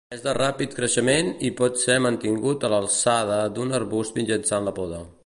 És de ràpid creixement i pot ser mantingut a l'alçada d'un arbust mitjançant la poda.